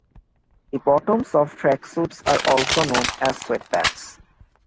The bottoms of tracksuits are also known as sweatpants.